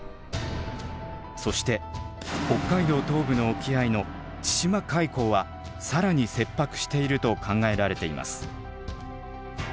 そして北海道東部の沖合の千島海溝は更に切迫していると考えられています。